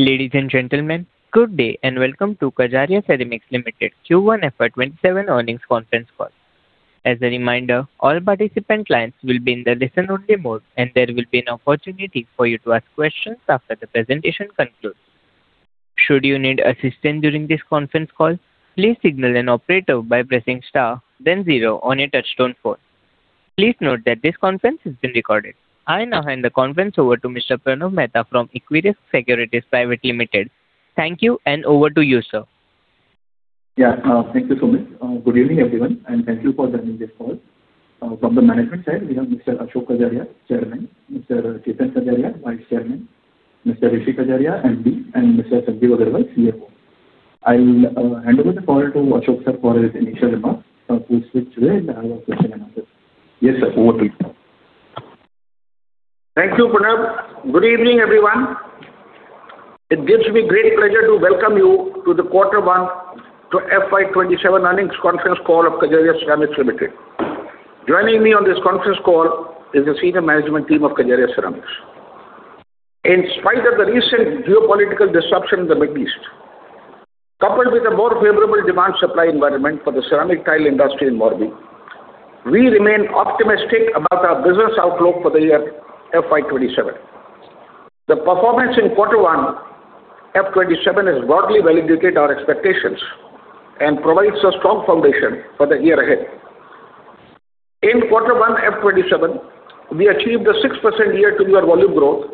Ladies and gentlemen, good day and welcome to Kajaria Ceramics Limited Q1 FY 2027 earnings conference call. As a reminder, all participant clients will be in the listen-only mode, and there will be an opportunity for you to ask questions after the presentation concludes. Should you need assistance during this conference call, please signal an operator by pressing star then zero on your touch-tone phone. Please note that this conference is being recorded. I now hand the conference over to Mr. Pranav Mehta from Equirus Securities Private Limited. Thank you, and over to you, sir. Yeah. Thank you, Sumit. Good evening, everyone, and thank you for joining this call. From the management side, we have Mr. Ashok Kajaria, Chairman, Mr. Chetan Kajaria, Vice Chairman, Mr. Rishi Kajaria, MD, and Mr. Sanjeev Agarwal, CFO. I will hand over the call to Ashok sir for his initial remarks. After which we will have a Q&A. Yes, sir. Over to you, sir. Thank you, Pranav. Good evening, everyone. It gives me great pleasure to welcome you to the quarter one to FY 2027 earnings conference call of Kajaria Ceramics Limited. Joining me on this conference call is the senior management team of Kajaria Ceramics. In spite of the recent geopolitical disruption in the Mid East, coupled with a more favorable demand supply environment for the ceramic tile industry in Morbi, we remain optimistic about our business outlook for the year FY 2027. The performance in quarter one FY 2027 has broadly validated our expectations and provides a strong foundation for the year ahead. In quarter one FY 2027, we achieved a 6% year-to-year volume growth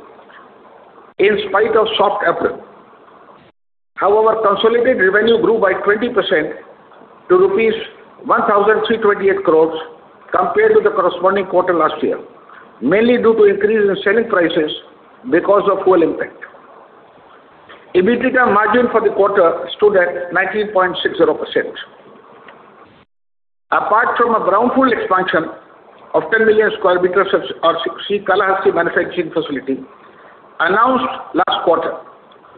in spite of soft April. However, consolidated revenue grew by 20% to rupees 1,328 crores compared to the corresponding quarter last year, mainly due to increase in selling prices because of fuel impact. EBITDA margin for the quarter stood at 19.60%. Apart from a brownfield expansion of 10 million square meter of our Srikalahasti manufacturing facility announced last quarter,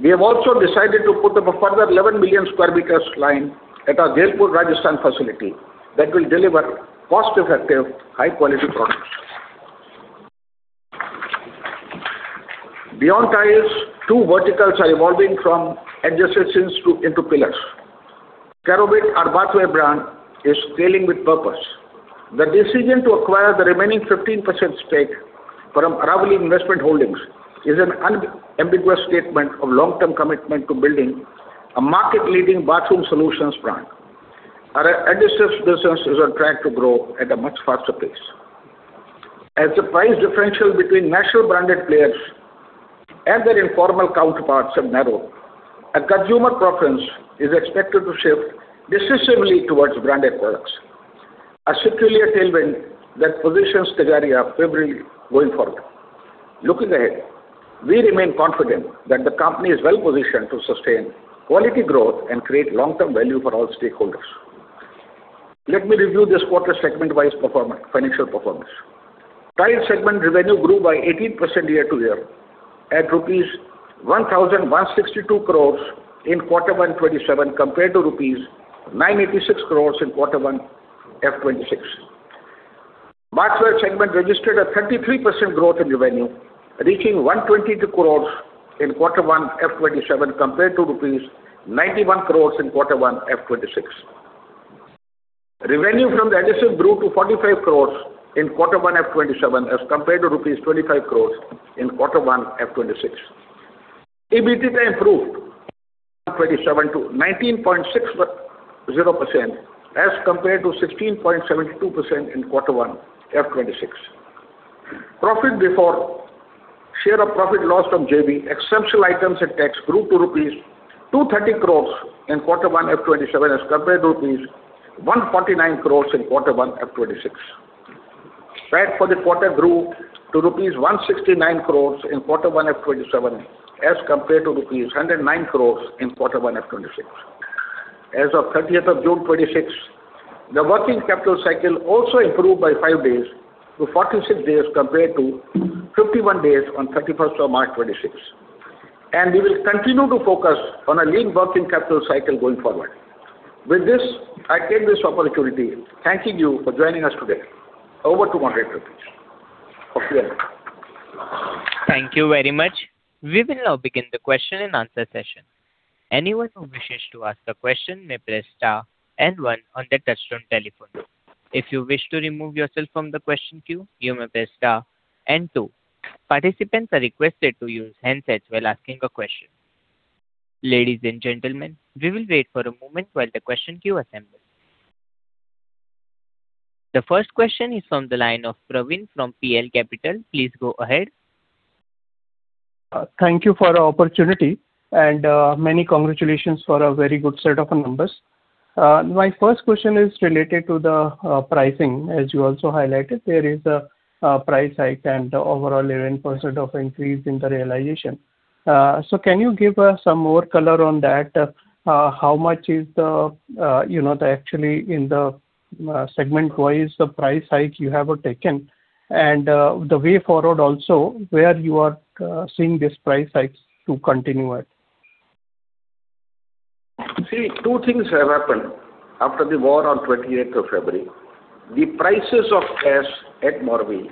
we have also decided to put up a further 11 million square meters line at our Jodhpur, Rajasthan facility that will deliver cost-effective, high-quality products. Beyond tiles, two verticals are evolving from adjacencies into pillars. Kerovit, our bathware brand, is scaling with purpose. The decision to acquire the remaining 15% stake from Aravali Investment Holdings is an unambiguous statement of long-term commitment to building a market-leading bathroom solutions brand. Our adhesives businesses are trying to grow at a much faster pace. As the price differential between national branded players and their informal counterparts have narrowed, a consumer preference is expected to shift decisively towards branded products. A secular tailwind that positions Kajaria favorably going forward. Looking ahead, we remain confident that the company is well-positioned to sustain quality growth and create long-term value for all stakeholders. Let me review this quarter's segment-wise financial performance. Tile segment revenue grew by 18% year-over-year at rupees 1,162 crores in quarter one FY 2027 compared to rupees 986 crores in quarter one FY 2026. Bathware segment registered a 33% growth in revenue, reaching 122 crores in quarter one FY 2027 compared to rupees 91 crores in quarter one FY 2026. Revenue from the adhesive grew to 45 crores in quarter one FY 2027 as compared to rupees 25 crores in quarter one FY 2026. EBITDA improved in FY 2027 to 19.60% as compared to 16.72% in quarter one FY 2026. Profit before share of profit loss from JV, exceptional items and tax grew to rupees 230 crores in quarter one FY 2027 as compared to rupees 149 crores in quarter one FY 2026. PAT for the quarter grew to rupees 169 crores in quarter one FY 2027 as compared to rupees 109 crores in quarter one FY 2026. As of 30th of June 2026, the working capital cycle also improved by five days to 46 days compared to 51 days on 31st of March 2026. We will continue to focus on a lean working capital cycle going forward. With this, I take this opportunity thanking you for joining us today. Over to Sumit for questions. Thank you very much. We will now begin the Q&A session. Anyone who wishes to ask a question may press star and one on their touchtone telephone. If you wish to remove yourself from the question queue, you may press star and two. Participants are requested to use handsets while asking a question. Ladies and gentlemen, we will wait for a moment while the question queue assembles. The first question is from the line of Praveen from PL Capital. Please go ahead. Thank you for the opportunity. Many congratulations for a very good set of numbers. My first question is related to the pricing. As you also highlighted, there is a price hike and overall 11% of increase in the realization. Can you give us some more color on that? How much is actually in the segment-wise the price hike you have taken and the way forward also where you are seeing these price hikes to continue at? See, two things have happened after the war on 28th of February. The prices of gas at Morbi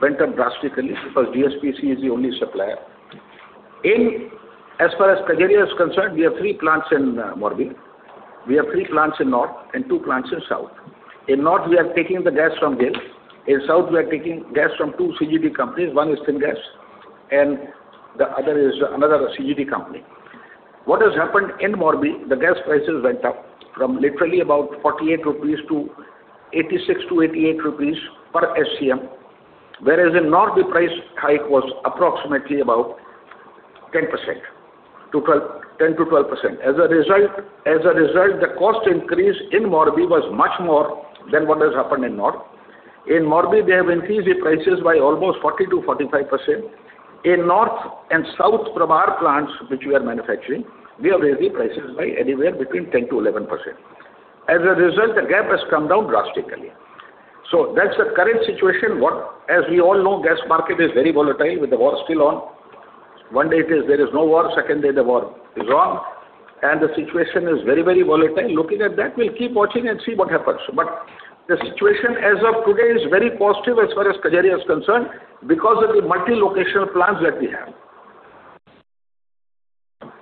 went up drastically because GSPC is the only supplier. As far as Kajaria is concerned, we have three plants in Morbi. We have three plants in north and two plants in south. In north, we are taking the gas from GAIL. In south, we are taking gas from two CGD companies. One is Think Gas, and the other is another CGD company. What has happened in Morbi, the gas prices went up from literally about 48 rupees to 86 to 88 rupees per SCM, whereas in north, the price hike was approximately about 10%-12%. As a result, the cost increase in Morbi was much more than what has happened in north. In Morbi, they have increased the prices by almost 40%-45%. In north and south from our plants, which we are manufacturing, we have raised the prices by anywhere between 10%-11%. As a result, the gap has come down drastically. That's the current situation. As we all know, gas market is very volatile with the war still on. One day there is no war, second day the war is on, and the situation is very volatile. Looking at that, we'll keep watching and see what happens. The situation as of today is very positive as far as Kajaria is concerned because of the multi-locational plants that we have.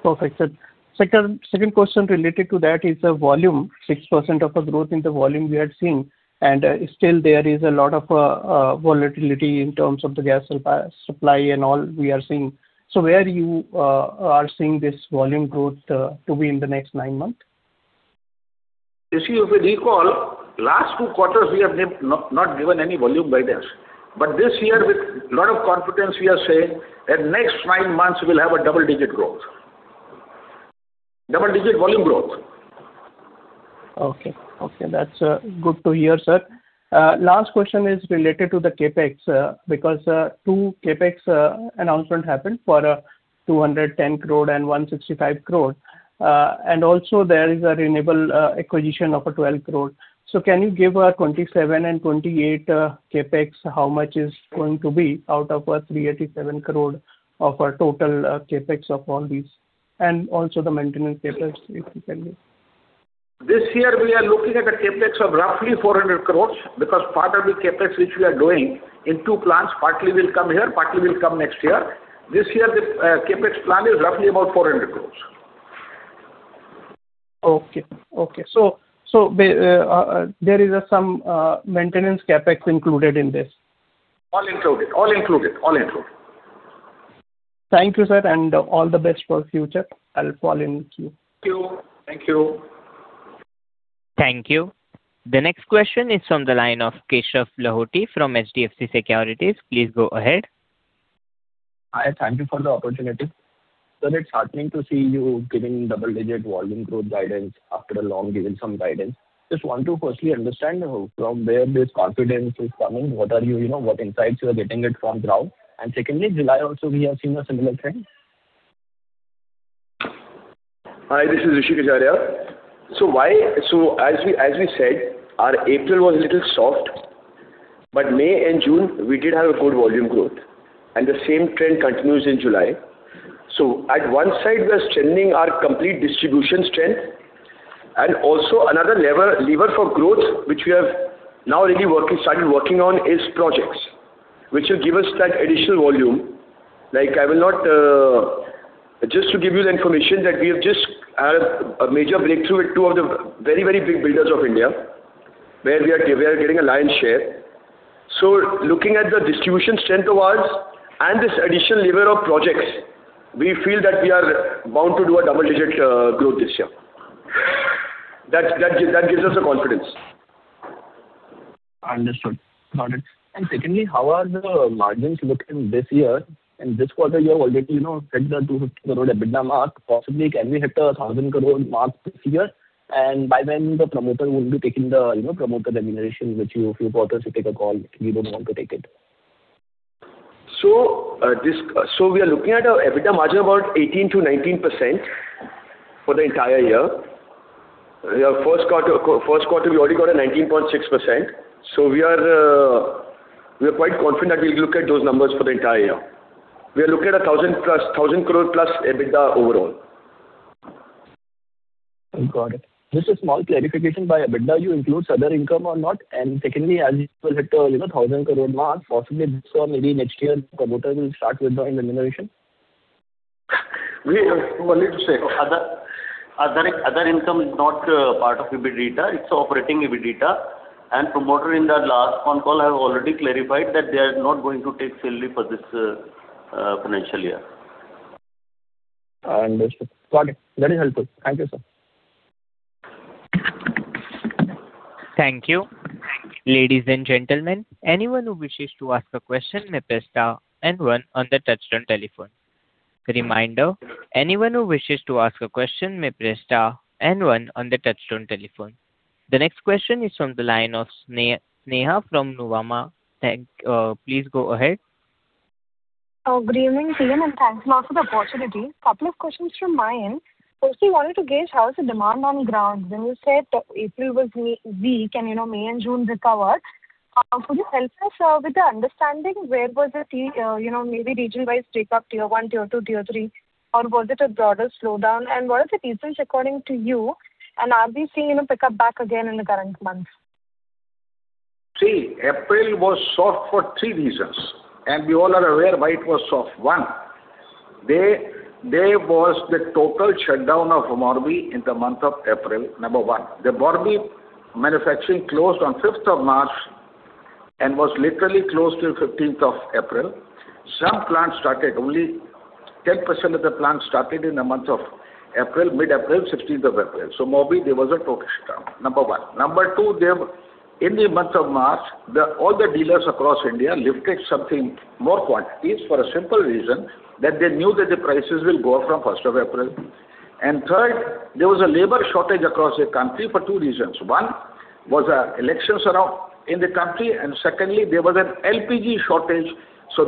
Perfect, sir. Second question related to that is the volume, 6% of the growth in the volume we are seeing, and still there is a lot of volatility in terms of the gas supply and all we are seeing. Where you are seeing this volume growth to be in the next nine months? You see, if you recall, last two quarters, we have not given any volume guidance. This year, with lot of confidence, we are saying that next nine months we'll have a double-digit growth. Double-digit volume growth. Okay. That's good to hear, sir. Last question is related to the CapEx, two CapEx announcement happened for 210 crore and 165 crore. Also there is a renewable acquisition of 12 crore. Can you give a 2027 and 2028 CapEx, how much is going to be out of 387 crore of total CapEx of all these, and also the maintenance CapEx, if you can give? This year we are looking at a CapEx of roughly 400 crores part of the CapEx which we are doing in two plants, partly will come here, partly will come next year. This year, the CapEx plan is roughly about 400 crores. Okay. There is some maintenance CapEx included in this? All included. Thank you, sir. All the best for future. I'll follow in queue. Thank you. Thank you. The next question is from the line of Keshav Lahoti from HDFC Securities. Please go ahead. Hi, thank you for the opportunity. Sir, it's heartening to see you giving double-digit volume growth guidance after a long given some guidance. Just want to firstly understand from where this confidence is coming, what insights you are getting it from ground. Secondly, July also we have seen a similar trend. Hi, this is Rishi Kajaria. As we said, our April was little soft, May and June we did have a good volume growth, the same trend continues in July. At one side, we are strengthening our complete distribution strength, another lever for growth which we have now really started working on is projects, which will give us that additional volume. Just to give you the information that we have just had a major breakthrough with two of the very big builders of India, where we are getting a lion's share. Looking at the distribution strength of ours and this additional lever of projects, we feel that we are bound to do a double-digit growth this year. That gives us the confidence. Understood. Got it. Secondly, how are the margins looking this year? In this quarter, you have already hit the 250 crore EBITDA mark. Possibly can we hit a 1,000 crore mark this year? By then the promoter won't be taking the promoter remuneration, which you, a few quarters you take a call, we don't want to take it. We are looking at an EBITDA margin about 18%-19% for the entire year. First quarter, we already got a 19.6%. We are quite confident that we'll look at those numbers for the entire year. We are looking at a 1,000 crore plus EBITDA overall. Got it. Just a small clarification about EBITDA. You include other income or not? Secondly, as you hit 1,000 crore mark, possibly this or maybe next year, promoter will start withdrawing remuneration? We have already said. Other income is not part of EBITDA. It's operating EBITDA. Promoter in the last con call have already clarified that they are not going to take salary for this financial year. Understood. Got it. That is helpful. Thank you, sir. Thank you. Ladies and gentlemen, anyone who wishes to ask a question may press star and one on the touchtone telephone. A reminder, anyone who wishes to ask a question may press star and one on the touchtone telephone. The next question is from the line of Sneha from Nuvama. Please go ahead. Good evening, team, thanks a lot for the opportunity. Couple of questions from my end. Firstly, wanted to gauge how is the demand on ground. When you said April was weak and May and June recovered? Could you help us with the understanding where was the maybe region-wise break-up, Tier 1, Tier 2, Tier 3, or was it a broader slowdown? What are the reasons according to you, and are we seeing a pickup back again in the current month? April was soft for three reasons, and we all are aware why it was soft. One, there was the total shutdown of Morbi in the month of April. Number one. The Morbi manufacturing closed on 5th of March and was literally closed till 15th of April. Some plants started, only 10% of the plants started in the month of April, mid-April, 16th of April. Morbi, there was a total shutdown, number one. Number two, in the month of March, all the dealers across India lifted more quantities for a simple reason that they knew that the prices will go up from 1st of April. Third, there was a labor shortage across the country for two reasons. One was elections around in the country, and secondly, there was an LPG shortage.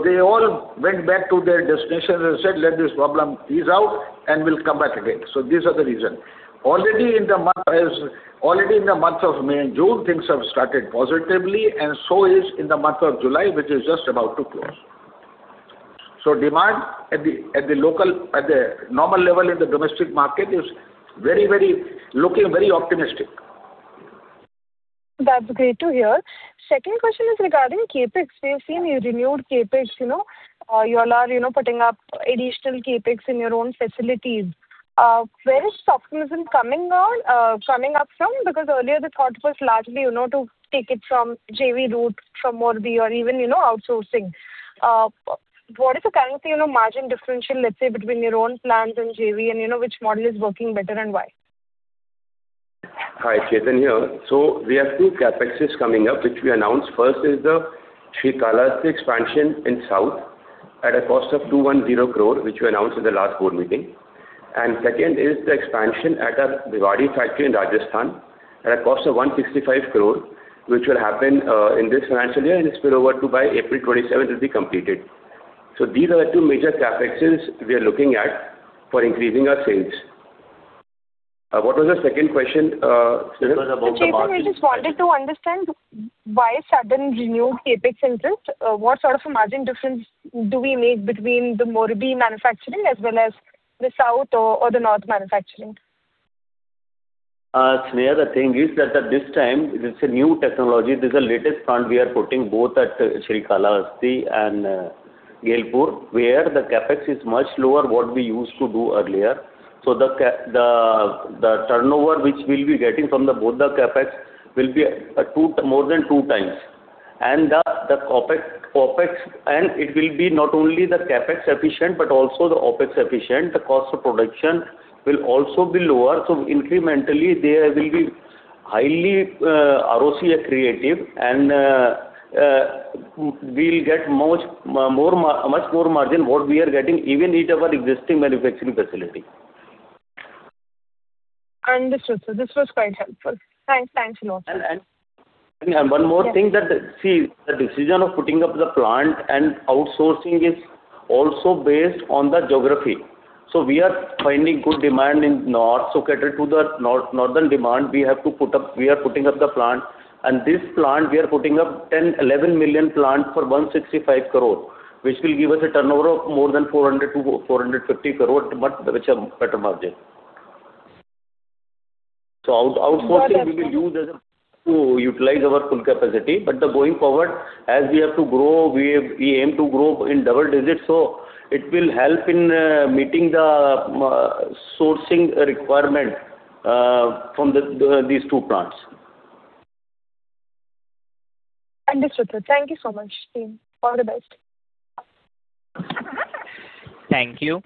They all went back to their destinations and said, "Let this problem ease out, and we'll come back again." These are the reasons. Already in the month of May and June, things have started positively, and so is in the month of July, which is just about to close. Demand at the normal level in the domestic market is looking very optimistic. That's great to hear. Second question is regarding CapEx. We have seen your renewed CapEx. You all are putting up additional CapEx in your own facilities. Where is this optimism coming up from? Because earlier the thought was largely to take it from JV route from Morbi or even outsourcing. What is the current margin differential, let's say, between your own plants and JV, and which model is working better and why? Hi, Chetan here. We have two CapExes coming up, which we announced. First is the Srikalahasti expansion in south at a cost of 210 crores, which we announced in the last board meeting. Second is the expansion at our Gailpur factory in Rajasthan at a cost of 165 crores, which will happen in this financial year, and it's bill over to by April 27, it will be completed. These are the two major CapExes we are looking at for increasing our sales. What was the second question, Sneha? Chetan, I just wanted to understand why sudden renewed CapEx interest. What sort of a margin difference do we make between the Morbi manufacturing as well as the south or the north manufacturing? Sneha, the thing is that at this time, this is a new technology. This is the latest plant we are putting both at Srikalahasti and Gailpur, where the CapEx is much lower what we used to do earlier. The turnover which we'll be getting from both the CapEx will be more than two times. It will be not only the CapEx efficient, but also the OpEx efficient. The cost of production will also be lower. Incrementally, they will be highly ROCE accretive, and we'll get much more margin what we are getting even with our existing manufacturing facility. Understood, sir. This was quite helpful. Thanks a lot, sir. One more thing. Yes. The decision of putting up the plant and outsourcing is also based on the geography. We are finding good demand in north. To cater to the northern demand, we are putting up the plant. This plant, we are putting up 11 million plant for 165 crore, which will give us a turnover of more than 400 crore-450 crore, but with a better margin. Outsourcing we will use to utilize our full capacity. Going forward, as we have to grow, we aim to grow in double digits, so it will help in meeting the sourcing requirement from these two plants. Understood, sir. Thank you so much. All the best. Thank you.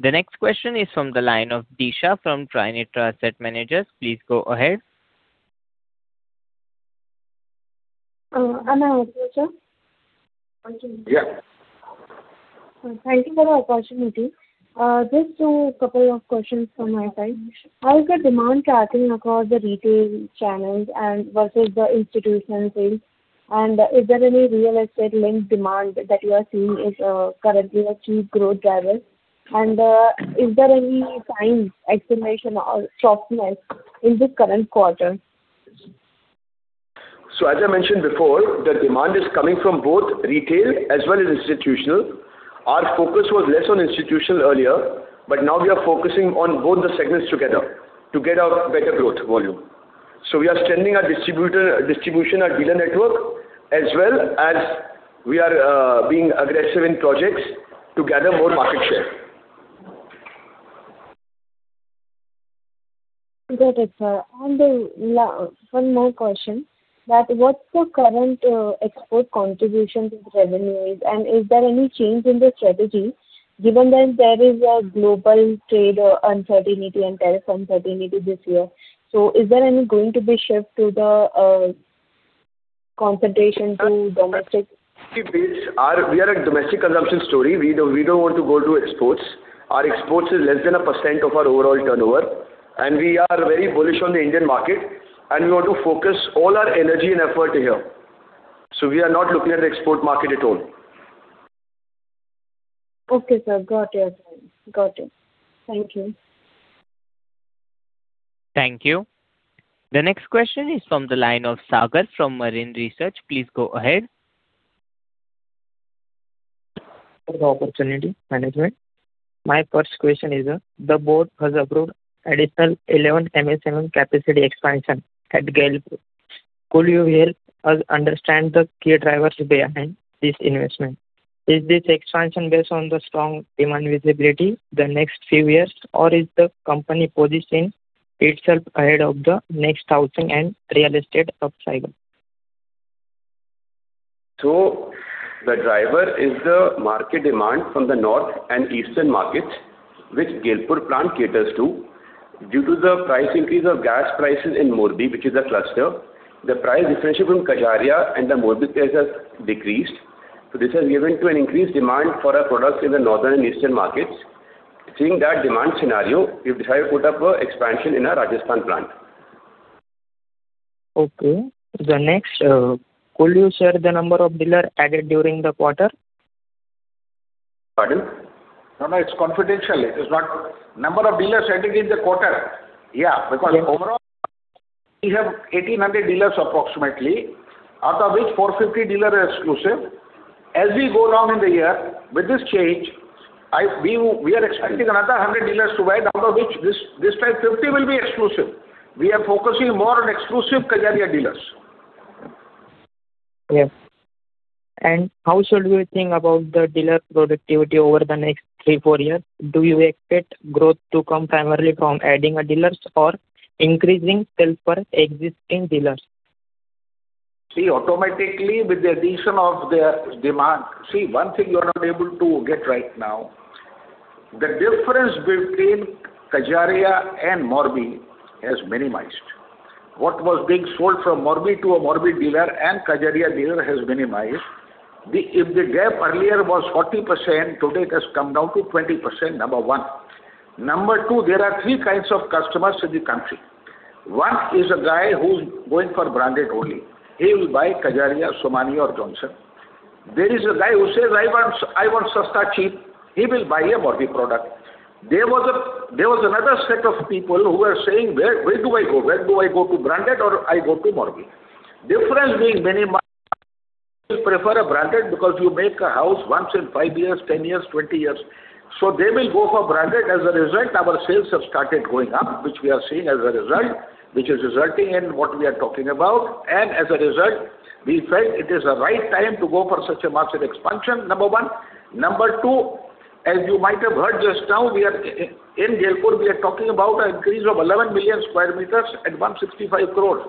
The next question is from the line of Disha from Trinetra Asset Managers. Please go ahead. Am I audible, sir? Yeah. Thank you for the opportunity. Just a couple of questions from my side. How is the demand tracking across the retail channels and versus the institutional sales? Is there any real estate-linked demand that you are seeing is currently a key growth driver? Is there any signs, estimation or softness in this current quarter? As I mentioned before, the demand is coming from both retail as well as institutional. Our focus was less on institutional earlier, now we are focusing on both the segments together to get a better growth volume. We are strengthening our distribution and dealer network as well as we are being aggressive in projects to gather more market share. Got it, sir. One more question, what's the current export contribution to the revenues, is there any change in the strategy given that there is a global trade uncertainty and tariff uncertainty this year? Is there any going to be shift to the concentration to domestic? We are a domestic consumption story. We don't want to go to exports. Our exports is less than 1% of our overall turnover, we are very bullish on the Indian market, we want to focus all our energy and effort here. We are not looking at the export market at all. Okay, sir. Got it. Thank you. Thank you. The next question is from the line of Sagar from Marine Research. Please go ahead. Opportunity management. My first question is, the board has approved additional 11 MS and one capacity expansion at Gailpur. Could you help us understand the key drivers behind this investment? Is this expansion based on the strong demand visibility the next few years, or is the company positioning itself ahead of the next housing and real estate upcycle? The driver is the market demand from the north and eastern markets, which Gailpur plant caters to. Due to the price increase of gas prices in Morbi, which is a cluster, the price differential from Kajaria and the Morbi price has decreased. This has given to an increased demand for our products in the northern and eastern markets. Seeing that demand scenario, we've decided to put up an expansion in our Rajasthan plant. Okay. Could you share the number of dealers added during the quarter? Pardon? No, it's confidential. Number of dealers added in the quarter? Because overall we have 1,800 dealers approximately, out of which 450 dealers are exclusive. As we go around in the year, with this change, we are expecting another 100 dealers to add, out of which this time 50 will be exclusive. We are focusing more on exclusive Kajaria dealers. Yes. How should we think about the dealer productivity over the next three, four years? Do you expect growth to come primarily from adding dealers or increasing sales per existing dealers? Automatically with the addition of their demand. One thing you're not able to get right now, the difference between Kajaria and Morbi has minimized. What was being sold from Morbi to a Morbi dealer and Kajaria dealer has minimized. If the gap earlier was 40%, today it has come down to 20%, number one. Number two, there are three kinds of customers in the country. One is a guy who's going for branded only. He will buy Kajaria, Somany, or Johnson. There is a guy who says, "I want sasta, cheap." He will buy a Morbi product. There was another set of people who were saying, "Where do I go? Where do I go to branded or I go to Morbi?" Difference being minimized. They prefer a branded because you make a house once in five years, 10 years, 20 years. They will go for branded. As a result, our sales have started going up, which we are seeing as a result, which is resulting in what we are talking about. As a result, we felt it is the right time to go for such a massive expansion, number one. Number two, as you might have heard just now, in Gailpur, we are talking about an increase of 11 million square meters at 165 crore.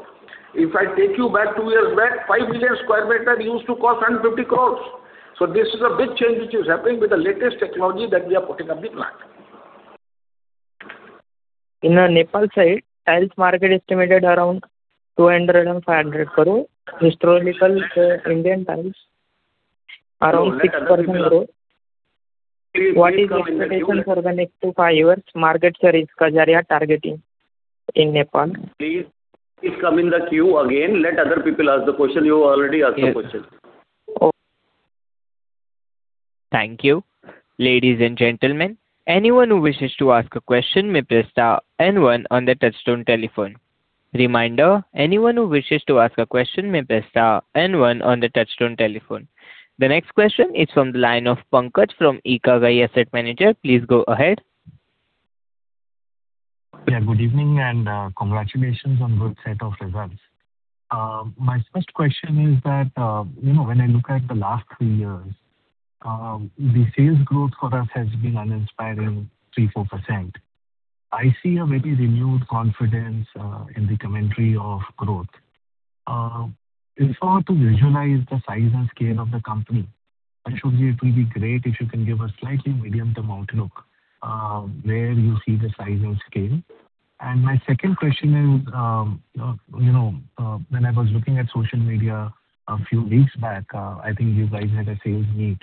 If I take you back two years back, 5 million square meter used to cost 150 crore. This is a big change which is happening with the latest technology that we are putting up the plant. In Nepal side, tiles market estimated around 200 crore and 500 crore. Historical Indian tiles, around 6% growth. What is the expectation for the next five years market share is Kajaria targeting in Nepal? Please, come in the queue again. Let other people ask the question. You already asked the question. Okay. Thank you. Ladies and gentlemen, anyone who wishes to ask a question may press star and one on the touchtone telephone. Reminder, anyone who wishes to ask a question may press star and one on the touchtone telephone. The next question is from the line of Pankaj from ICICI Prudential Asset Management. Please go ahead. Good evening and congratulations on good set of results. My first question is that, when I look at the last three years, the sales growth for us has been uninspiring 3%-4%. I see a very renewed confidence in the commentary of growth. In order to visualize the size and scale of the company, Ashok, it will be great if you can give a slightly medium-term outlook, where you see the size and scale. My second question is, when I was looking at social media a few weeks back, I think you guys had a sales meet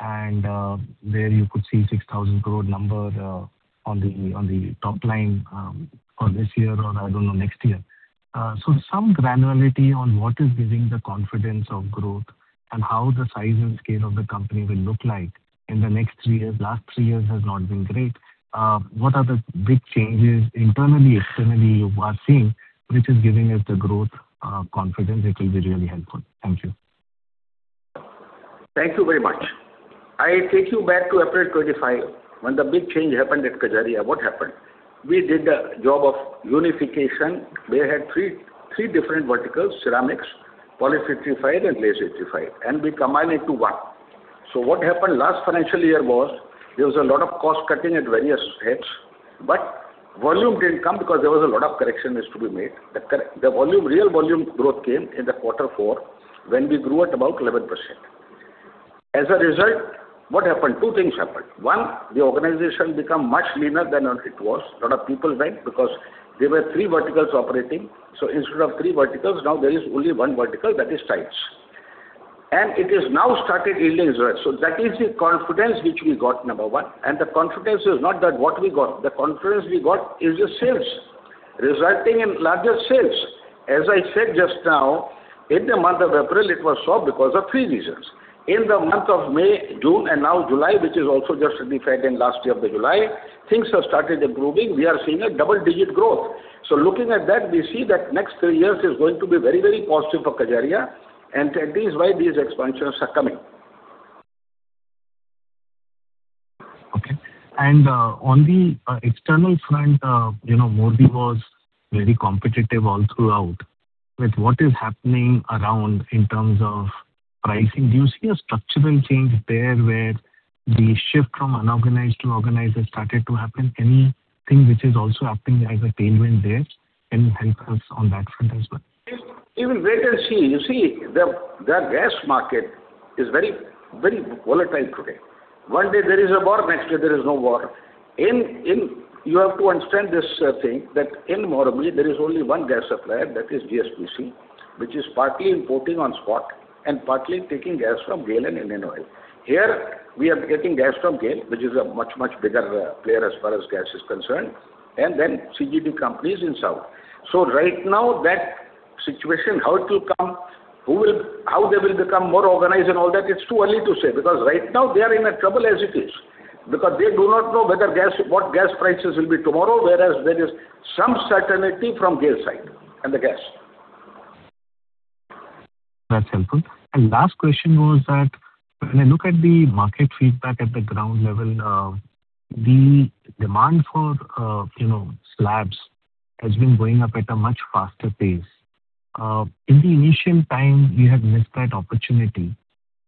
and there you could see 6,000 crore number on the top line for this year or, I don't know, next year. Some granularity on what is giving the confidence of growth and how the size and scale of the company will look like in the next three years. Last three years has not been great. What are the big changes internally, externally you are seeing, which is giving us the growth confidence? It will be really helpful. Thank you. Thank you very much. I take you back to April 2025, when the big change happened at Kajaria. What happened? We did the job of unification. We had three different verticals, ceramics, Polished Vitrified and Glazed Vitrified, we combine into one. What happened last financial year was there was a lot of cost cutting at various heads, but volume did not come because there was a lot of correction is to be made. The real volume growth came in the quarter four, when we grew at about 11%. As a result, what happened? Two things happened. One. The organization become much leaner than it was. A lot of people went because there were three verticals operating. Instead of three verticals, now there is only one vertical, that is tiles. It is now started yielding results. That is the confidence which we got, number one, the confidence is not that what we got, the confidence we got is the sales Resulting in larger sales. As I said just now, in the month of April, it was slow because of three reasons. In the month of May, June, now July, which is also just reflected in last year of the July, things have started improving. We are seeing a double-digit growth. Looking at that, we see that next three years is going to be very positive for Kajaria, that is why these expansions are coming. Okay. On the external front, Morbi was very competitive all throughout. With what is happening around in terms of pricing, do you see a structural change there where the shift from unorganized to organized has started to happen? Anything which is also happening as a tailwind there? Can you help us on that front as well? Even wait and see. You see, the gas market is very volatile today. One day there is a war, next day there is no war. You have to understand this thing, that in Morbi, there is only one gas supplier, that is GSPC, which is partly importing on spot and partly taking gas from GAIL and Indian Oil. Here, we are getting gas from GAIL, which is a much bigger player as far as gas is concerned, and then CGD companies in South. Right now, that situation, how it will come, how they will become more organized and all that, it's too early to say. Right now they are in a trouble as it is, because they do not know what gas prices will be tomorrow, whereas there is some certainty from GAIL side on the gas. That's helpful. Last question was that when I look at the market feedback at the ground level, the demand for slabs has been going up at a much faster pace. In the initial time, we had missed that opportunity.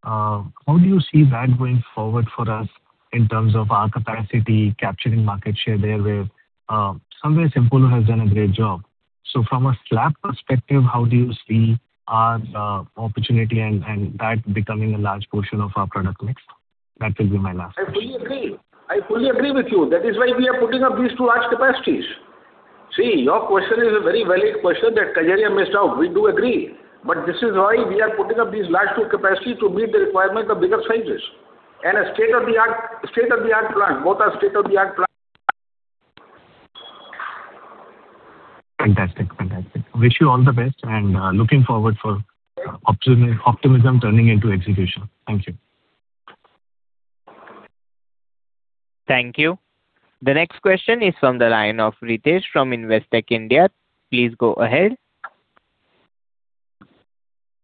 How do you see that going forward for us in terms of our capacity, capturing market share there, where somewhere Simpolo has done a great job. From a slab perspective, how do you see our opportunity and that becoming a large portion of our product mix? That will be my last question. I fully agree. I fully agree with you. That is why we are putting up these two large capacities. See, your question is a very valid question, that Kajaria missed out. We do agree. This is why we are putting up these large two capacity to meet the requirement of bigger sizes. A state-of-the-art plant, both are state-of-the-art plant. Fantastic. Wish you all the best and looking forward for optimism turning into execution. Thank you. Thank you. The next question is from the line of Ritesh from Investec India. Please go ahead.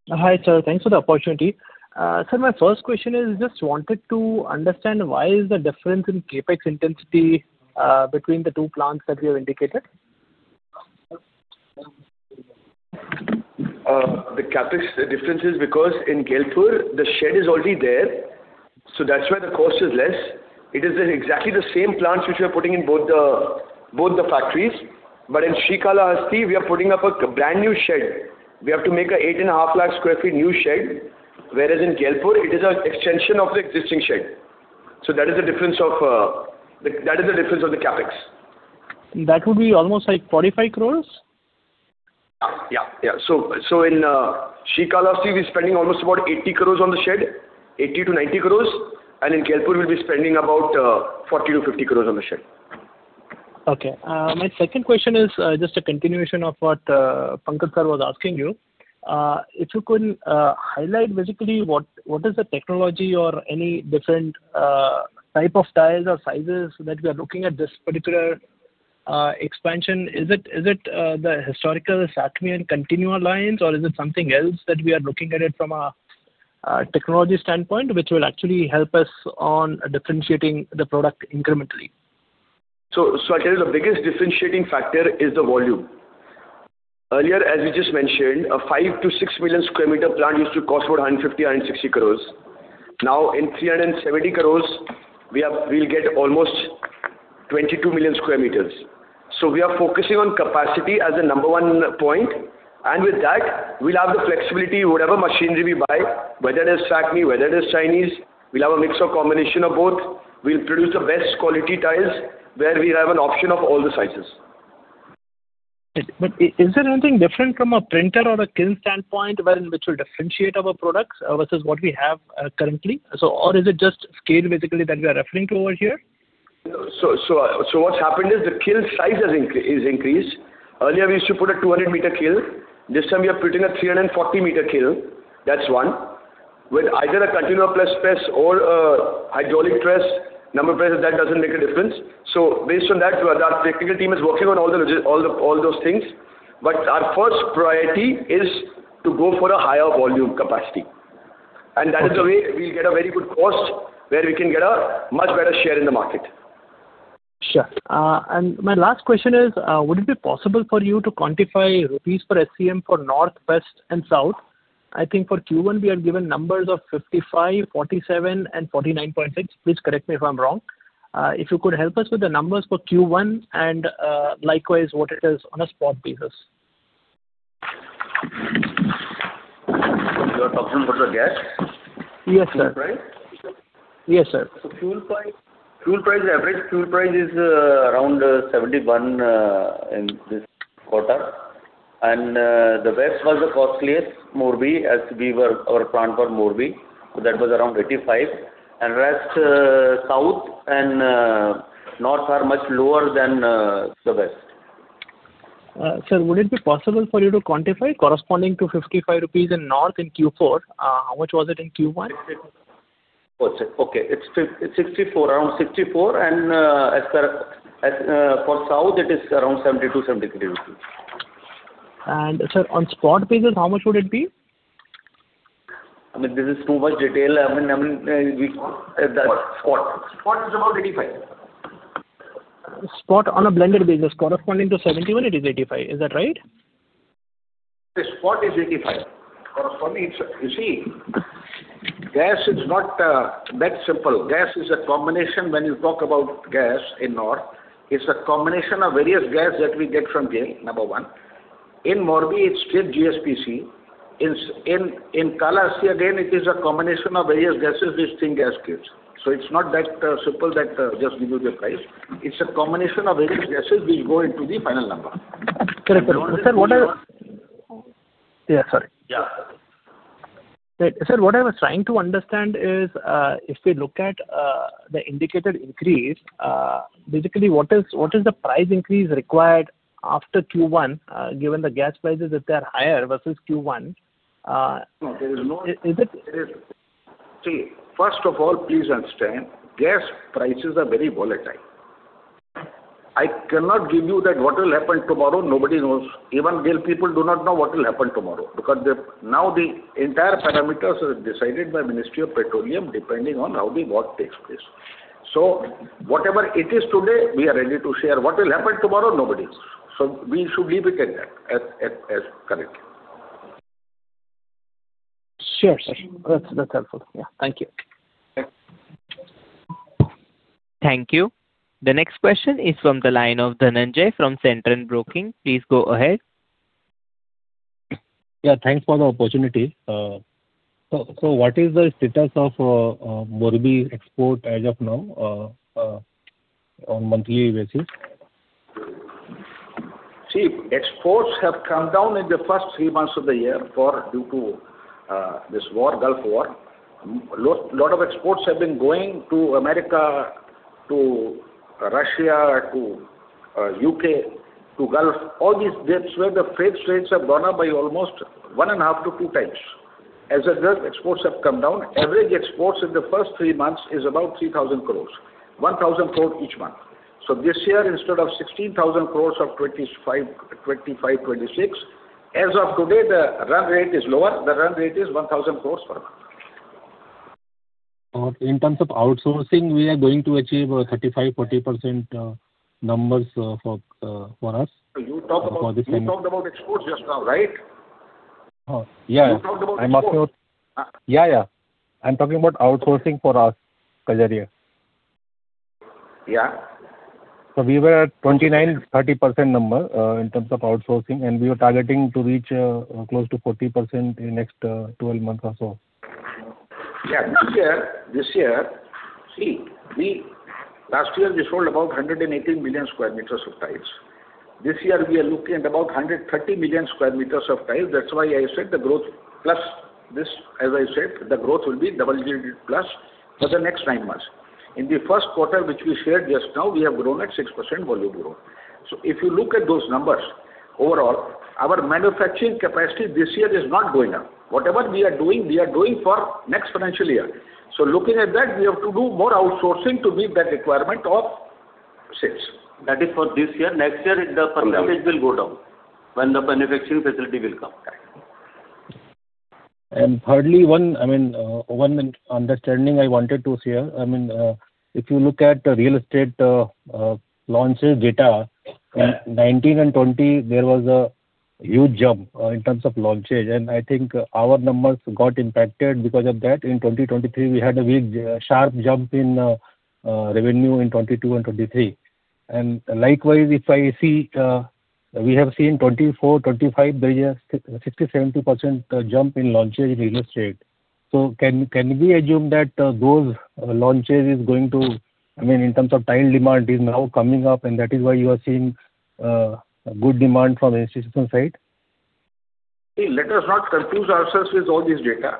Hi, sir. Thanks for the opportunity. Sir, my first question is, just wanted to understand why is the difference in CapEx intensity between the two plants that we have indicated? The CapEx difference is because in Gailpur, the shed is already there, so that's why the cost is less. It is exactly the same plants which we are putting in both the factories. In Srikalahasti, we are putting up a brand new shed. We have to make a 8.5 lakh square feet new shed, whereas in Gailpur, it is a extension of the existing shed. That is the difference of the CapEx. That would be almost like 45 crores? Yeah. In Srikalahasti, we're spending almost about 80 crores on the shed, 80 crores-90 crores, and in Gailpur, we'll be spending about 40 crores-50 crores on the shed. Okay. My second question is just a continuation of what Pankaj sir was asking you. If you could highlight basically what is the technology or any different type of tiles or sizes that we are looking at this particular expansion. Is it the historical Sacmi and Continua+ lines, or is it something else that we are looking at it from a technology standpoint, which will actually help us on differentiating the product incrementally? I tell you, the biggest differentiating factor is the volume. Earlier, as we just mentioned, a 5 million-6 million square meter plant used to cost about 150 crores-160 crores. Now in 370 crores, we'll get almost 22 million square meters. We are focusing on capacity as a number one point. With that, we'll have the flexibility, whatever machinery we buy, whether it is Sacmi, whether it is Chinese, we'll have a mix or combination of both. We'll produce the best quality tiles where we'll have an option of all the sizes. Is there anything different from a printer or a kiln standpoint, wherein which will differentiate our products versus what we have currently? Or is it just scale basically that we are referring to over here? What's happened is the kiln size has increased. Earlier we used to put a 200-m kiln. This time we are putting a 340-m kiln. That's one. With either a Continua+ press or a hydraulic press, number press, that doesn't make a difference. Based on that, our technical team is working on all those things. Our first priority is to go for a higher volume capacity. Okay. That is the way we'll get a very good cost where we can get a much better share in the market. Sure. My last question is, would it be possible for you to quantify INR per SCM for North, West, and South? I think for Q1 we are given numbers of 55, 47, and 49.6. Please correct me if I'm wrong. If you could help us with the numbers for Q1 and likewise what it is on a spot basis. You are talking about the gas? Yes, sir. Fuel price? Yes, sir. Average fuel price is around 71 in this quarter. The west was the costliest, Morbi, as our plant was Morbi. That was around 85. Rest, south and north are much lower than the west. Sir, would it be possible for you to quantify corresponding to 55 rupees in north in Q4? How much was it in Q1? Oh, sir. Okay. It's around 64, and for south it is around 72, 73 rupees. sir, on spot basis, how much would it be? I mean, this is too much detail. Spot is about 85. Spot on a blended basis corresponding to 71, it is 85. Is that right? The spot is 85. You see, gas is not that simple. Gas is a combination. When you talk about gas in north, it's a combination of various gas that we get from GAIL, number one. In Morbi, it's straight GSPC. In Srikalahasti again, it is a combination of various gases, which Think Gas gives. It's not that simple that just give you the price. It's a combination of various gases which go into the final number. Correct. Sir, what I- Yeah, sorry. Yeah. Sir, what I was trying to understand is, if we look at the indicated increase, basically, what is the price increase required after Q1, given the gas prices, if they're higher versus Q1. No, there is no- Is it? See, first of all, please understand, gas prices are very volatile. I cannot give you that what will happen tomorrow, nobody knows. Even GAIL people do not know what will happen tomorrow, because now the entire parameters are decided by Ministry of Petroleum, depending on how the war takes place. Whatever it is today, we are ready to share. What will happen tomorrow, nobody knows. We should leave it at that correctly. Sure. That's helpful. Yeah. Thank you. Thanks. Thank you. The next question is from the line of Dhananjay from Centurion Broking. Please go ahead. Yeah, thanks for the opportunity. What is the status of Morbi export as of now on monthly basis? See, exports have come down in the first three months of the year due to this war, Gulf War. Lot of exports have been going to America, to Russia, to U.K., to Gulf, all these. That is where the freight rates have gone up by almost one and a half to two times. As a result, exports have come down. Average exports in the first three months is about 3,000 crore, 1,000 crore each month. This year, instead of 16,000 crore of 2025, 2026, as of today, the run rate is lower. The run rate is 1,000 crore per month. In terms of outsourcing, we are going to achieve 35%-40% numbers for us? You talked about exports just now, right? Yeah. You talked about exports. Yeah. I'm talking about outsourcing for us, Kajaria. Yeah. We were at 29%-30% number, in terms of outsourcing, and we were targeting to reach close to 40% in next 12 month or so. Yeah. Last year we sold about 118 million square meters of tiles. This year we are looking at about 130 million square meters of tiles. That's why I said the growth plus. This, as I said, the growth will be double-digit plus for the next nine months. In the first quarter, which we shared just now, we have grown at 6% volume growth. If you look at those numbers, overall, our manufacturing capacity this year is not going up. Whatever we are doing, we are doing for next financial year. Looking at that, we have to do more outsourcing to meet that requirement of sales. That is for this year. Next year, the percent will go down when the manufacturing facility will come. Thirdly, one understanding I wanted to share, if you look at real estate launches data, in 2019 and 2020, there was a huge jump in terms of launches, and I think our numbers got impacted because of that. In 2023, we had a big, sharp jump in revenue in 2022 and 2023. Likewise, if I see, we have seen 2024, 2025 there is 60%-70% jump in launches in real estate. Can we assume that those launches is going to, in terms of tile demand, is now coming up, and that is why you are seeing good demand from institution side? See, let us not confuse ourselves with all this data.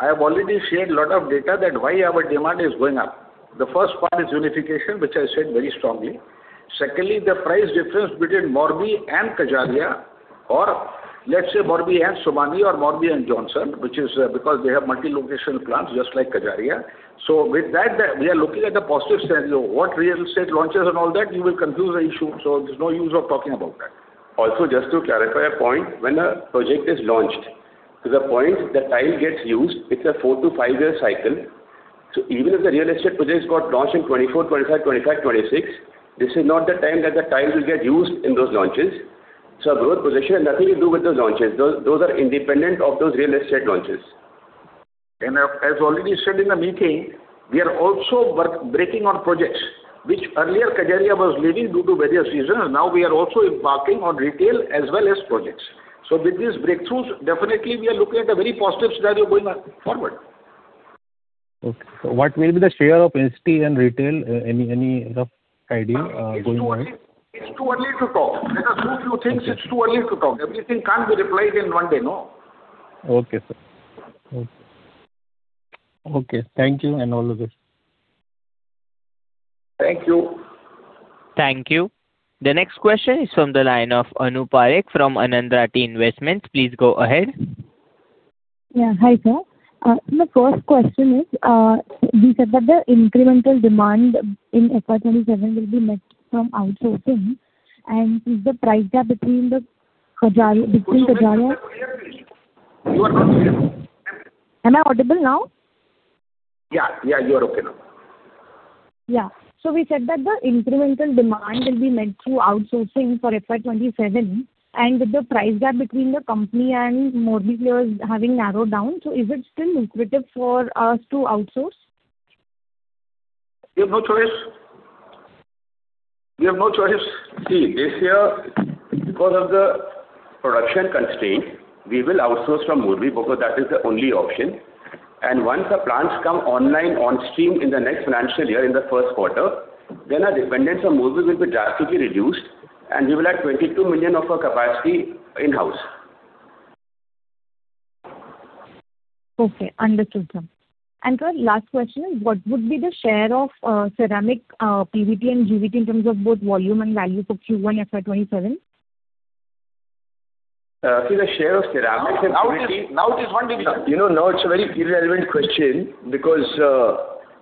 I have already shared lot of data that why our demand is going up. The first part is unification, which I said very strongly. Secondly, the price difference between Morbi and Kajaria or let's say Morbi and Somany or Morbi and Johnson, which is because they have multi-locational plants just like Kajaria. With that, we are looking at the positive scenario. What real estate launches and all that, you will confuse the issue. There's no use of talking about that. Also, just to clarify a point, when a project is launched, to the point the tile gets used, it's a four to five-year cycle. Even if the real estate projects got launched in 2024, 2025, 2026, this is not the time that the tiles will get used in those launches. Our growth position has nothing to do with those launches. Those are independent of those real estate launches. As already said in the meeting, we are also breaking on projects, which earlier Kajaria was leading due to various reasons. Now we are also embarking on retail as well as projects. With these breakthroughs, definitely we are looking at a very positive scenario going forward. Okay. What will be the share of institutional and retail? Any rough idea going on? It's too early to talk. Let us do a few things. It's too early to talk. Everything can't be replied in one day, no? Okay, sir. Okay. Thank you, and all the best. Thank you. Thank you. The next question is from the line of Anu Parakh from Anand Rathi Investments. Please go ahead. Yeah. Hi, sir. My first question is, you said that the incremental demand in FY 2027 will be met from outsourcing. Is the price gap between the- You are not clear. Am I audible now? Yeah, you are okay now. Yeah. We said that the incremental demand will be met through outsourcing for FY 2027, the price gap between the company and Morbi here is having narrowed down. Is it still lucrative for us to outsource? We have no choice. See, this year, because of the production constraint, we will outsource from Morbi because that is the only option. Once the plants come online, onstream in the next financial year, in the first quarter, our dependence on Morbi will be drastically reduced, we will have 22 million of our capacity in-house. Okay, understood, sir. Sir, last question is, what would be the share of ceramic PVT and GVT in terms of both volume and value for Q1 FY 2027? See, the share of ceramic and GVT- Now it is one big- you know, now it's a very irrelevant question because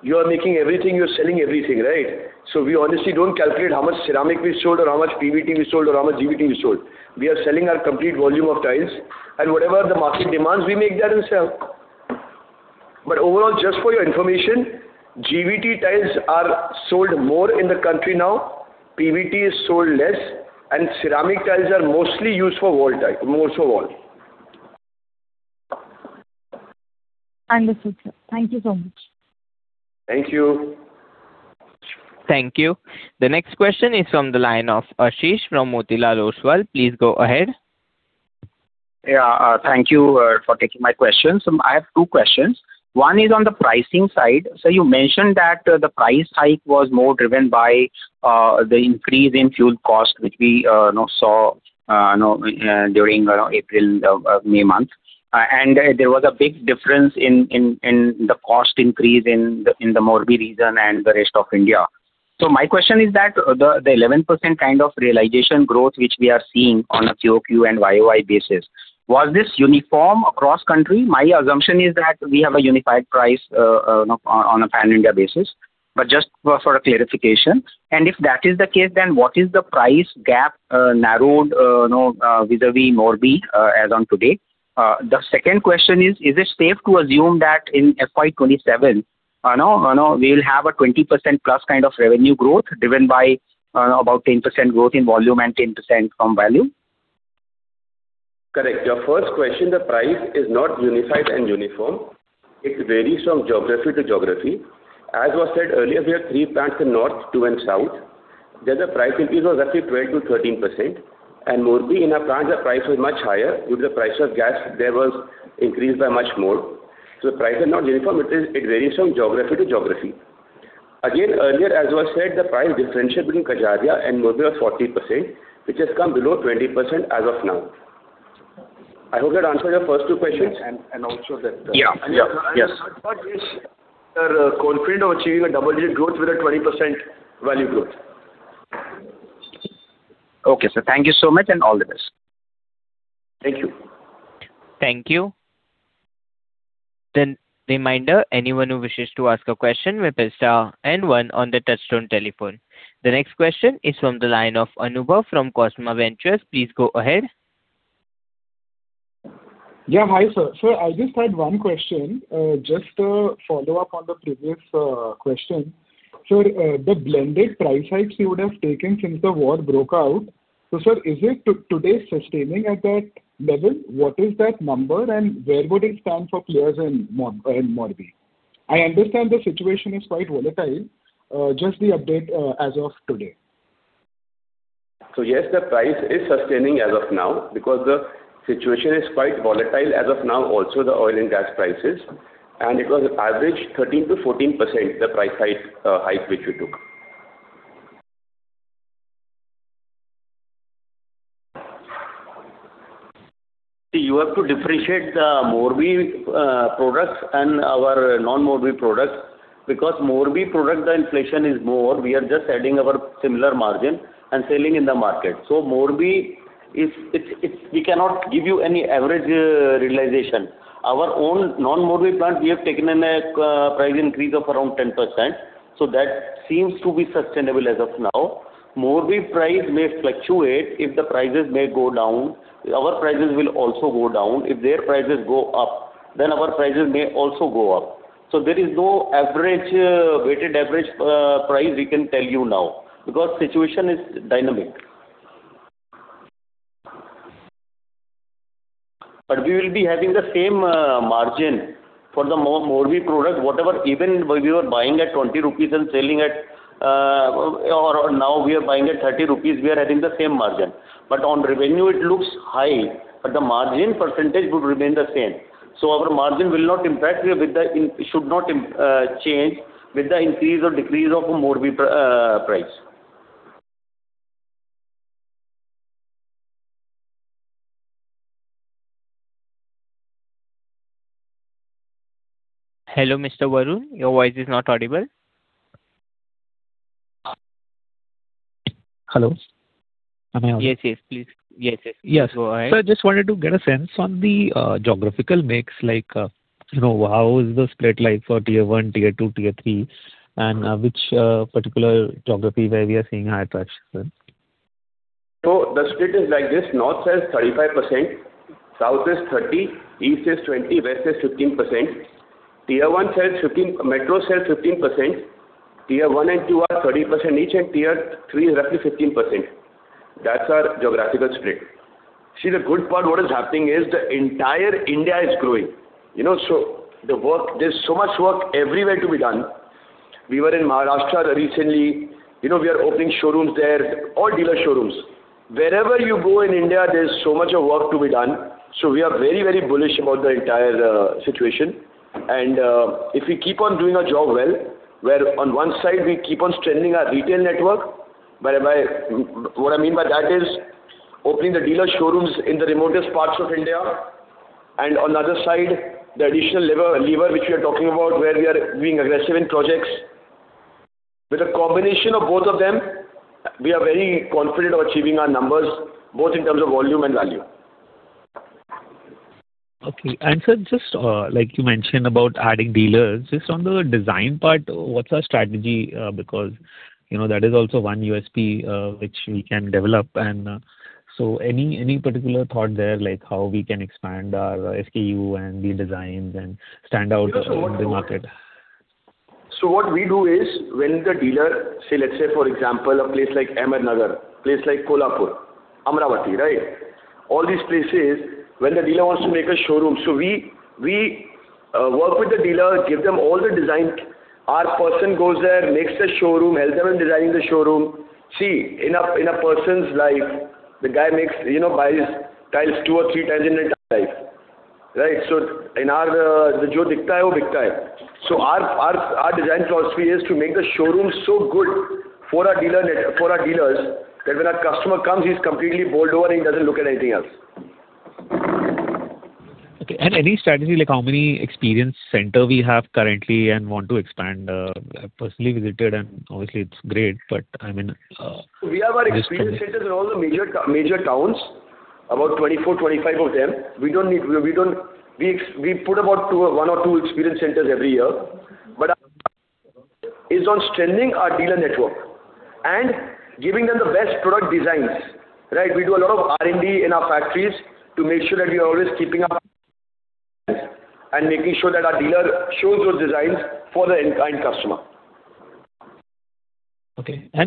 you are making everything, you're selling everything, right? We honestly don't calculate how much ceramic we sold or how much PVT we sold or how much GVT we sold. We are selling our complete volume of tiles, and whatever the market demands, we make that and sell. Overall, just for your information, GVT tiles are sold more in the country now, PVT is sold less, and ceramic tiles are mostly used for wall tile, more for wall. Understood, sir. Thank you so much. Thank you. Thank you. The next question is from the line of Ashish from Motilal Oswal. Please go ahead. Yeah. Thank you for taking my question. I have two questions. One is on the pricing side. You mentioned that the price hike was more driven by the increase in fuel cost, which we now saw during April, May month. There was a big difference in the cost increase in the Morbi region and the rest of India. My question is that the 11% kind of realization growth which we are seeing on a Q-o-Q and Y-o-Y basis, was this uniform across country? My assumption is that we have a unified price on a pan-India basis, but just for a clarification. If that is the case, then what is the price gap narrowed vis-a-vis Morbi as on today? The second question is it safe to assume that in FY 2027 we'll have a 20%+ kind of revenue growth driven by about 10% growth in volume and 10% from value? Correct. Your first question, the price is not unified and uniform. It varies from geography to geography. As was said earlier, we have three plants in north, two in south. There the price increase was roughly 12%-13%. Morbi, in our plant, the price was much higher because the price of gas there was increased by much more. The price is not uniform. It varies from geography to geography. Earlier, as was said, the price differential between Kajaria and Morbi was 40%, which has come below 20% as of now. I hope that answered your first two questions. Also that- Yeah. Yes. What is your confidence of achieving a double-digit growth with a 20% value growth? Okay, sir. Thank you so much and all the best. Thank you. Thank you. Reminder, anyone who wishes to ask a question may press star and one on the touch-tone telephone. The next question is from the line of Anubhav from Cosma Ventures. Please go ahead. Yeah. Hi, sir. Sir, I just had one question, just a follow-up on the previous question. Sir, the blended price hike you would have taken since the war broke out. Sir, is it today sustaining at that level? What is that number and where would it stand for players in Morbi? I understand the situation is quite volatile. Just the update as of today. Yes, the price is sustaining as of now because the situation is quite volatile as of now, also the oil and gas prices, and it was average 13%-14%, the price hike which we took. See, you have to differentiate the Morbi products and our non-Morbi products because Morbi product, the inflation is more. We are just adding our similar margin and selling in the market. Morbi, we cannot give you any average realization. Our own non-Morbi plant, we have taken in a price increase of around 10%, so that seems to be sustainable as of now. Morbi price may fluctuate. If the prices may go down, our prices will also go down. If their prices go up, our prices may also go up. There is no weighted average price we can tell you now because situation is dynamic. We will be having the same margin for the Morbi product, whatever even we were buying at 20 rupees and selling at Now we are buying at 30 rupees, we are having the same margin. On revenue it looks high, but the margin percentage would remain the same. Our margin should not change with the increase or decrease of raw material price. Hello, Mr. Anubhav. Your voice is not audible. Hello. Am I audible? Yes, please go ahead. Sir, just wanted to get a sense on the geographical mix, like how is the split like for Tier 1, Tier 2, Tier 3, and which particular geography where we are seeing high traction, sir? The split is like this: North has 35%, South is 30%, East is 20%, West is 15%. Metro sells 15%. Tier 1 and 2 are 30% each, and Tier 3 is roughly 15%. That's our geographical split. The good part, what is happening is the entire India is growing. There's so much work everywhere to be done. We were in Maharashtra recently. We are opening showrooms there, all dealer showrooms. Wherever you go in India, there's so much work to be done. We are very bullish about the entire situation. If we keep on doing our job well, where on one side we keep on strengthening our retail network. What I mean by that is opening the dealer showrooms in the remotest parts of India, and on the other side, the additional lever which we are talking about, where we are being aggressive in projects. With a combination of both of them, we are very confident of achieving our numbers, both in terms of volume and value. Okay. Sir, just like you mentioned about adding dealers, just on the design part, what's our strategy? Because that is also one USP which we can develop and so any particular thought there, like how we can expand our SKU and the designs and stand out in the market? What we do is when the dealer, let's say for example, a place like Ahmednagar, Kolhapur, Amravati, all these places, when the dealer wants to make a showroom, we work with the dealer, give them all the design. Our person goes there, makes the showroom, helps them in designing the showroom. See, in a person's life, the guy buys tiles two or three times in a lifetime. Our design philosophy is to make the showroom so good for our dealers that when a customer comes, he's completely bowled over and he doesn't look at anything else. Okay. Any strategy, like how many experience center we have currently and want to expand? I personally visited and obviously it's great. We have our experience centers in all the major towns, about 24, 25 of them. We put about one or two experience centers every year. Our focus is on strengthening our dealer network and giving them the best product designs. We do a lot of R&D in our factories to make sure that we are always keeping up with designs and making sure that our dealer shows those designs for the end customer.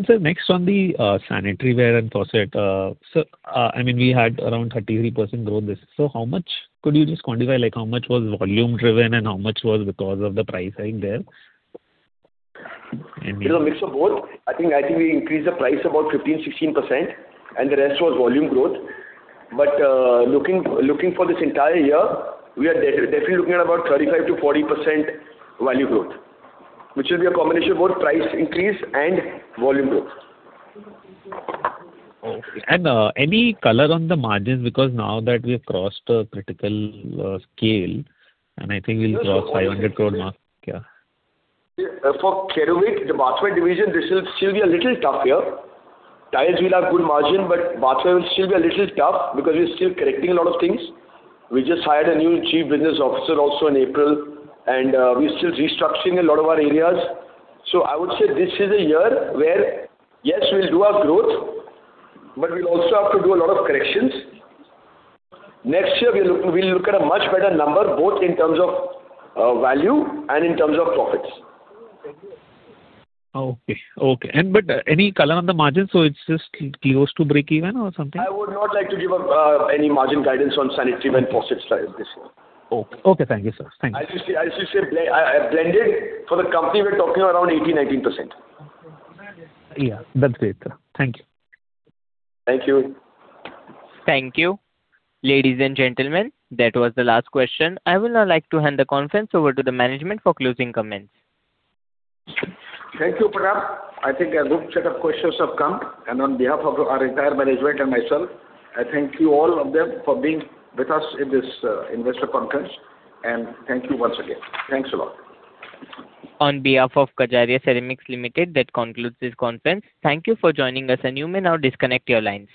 Sir, next on the sanitaryware and faucet. We had around 33% growth this year. Could you just quantify how much was volume driven and how much was because of the pricing there? It was a mix of both. I think we increased the price about 15%-16%, and the rest was volume growth. Looking for this entire year, we are definitely looking at about 35%-40% value growth, which will be a combination of both price increase and volume growth. Okay. Any color on the margins because now that we've crossed a critical scale and I think we'll cross 500 crore mark, yeah. For Kerovit, the bathroom division, this will still be a little tough year. Tiles will have good margin, but bathroom will still be a little tough because we're still correcting a lot of things. We just hired a new chief business officer also in April, and we're still restructuring a lot of our areas. I would say this is a year where, yes, we'll do our growth, but we'll also have to do a lot of corrections. Next year, we'll look at a much better number, both in terms of value and in terms of profits. Okay. Any color on the margin? It's just close to break-even or something? I would not like to give any margin guidance on sanitary and faucets this year. Okay. Thank you, sir. As you say, blended for the company, we're talking around 18%-19%. Yeah. That's great. Thank you. Thank you. Thank you. Ladies and gentlemen, that was the last question. I will now like to hand the conference over to the management for closing comments. Thank you, Pranav. I think a good set of questions have come. On behalf of our entire management and myself, I thank you all of them for being with us in this investor conference and thank you once again. Thanks a lot. On behalf of Kajaria Ceramics Limited, that concludes this conference. Thank you for joining us and you may now disconnect your lines.